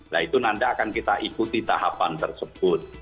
nah itu nanti akan kita ikuti tahapan tersebut